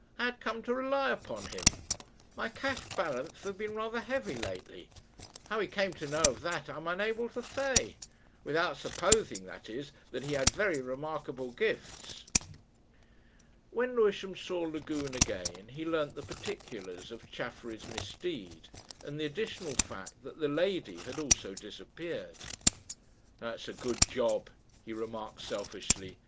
"I had come to rely upon him.... My cash balance has been rather heavy lately. How he came to know of that I am unable to say. Without supposing, that is, that he had very remarkable gifts." When Lewisham saw Lagune again he learnt the particulars of Chaffery's misdeed and the additional fact that the "lady" had also disappeared. "That's a good job," he remarked selfishly.